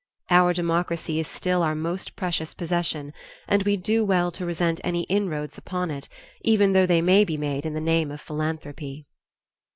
Our democracy is still our most precious possession, and we do well to resent any inroads upon it, even though they may be made in the name of philanthropy.